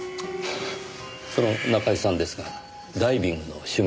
その中居さんですがダイビングの趣味などは？